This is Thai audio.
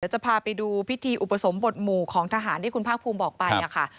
จะพาไปดูพิธีอุปสมบทหมู่ของทหารที่คุณภาคภูมิบอกไปค่ะ